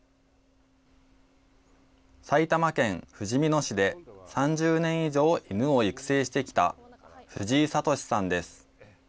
埼玉県ふじみ野市で３０年以上犬を育成してきた藤井聡さんです。